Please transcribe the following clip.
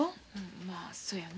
まあそやな。